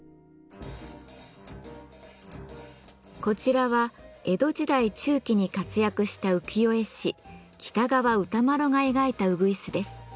こちらは江戸時代中期に活躍した浮世絵師喜多川歌麿が描いたうぐいすです。